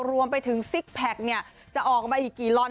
รวมไปถึงซิกแพคจะออกมาอีกกี่ลอน